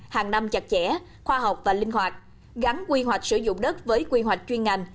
hàng năm chặt chẽ khoa học và linh hoạt gắn quy hoạch sử dụng đất với quy hoạch chuyên ngành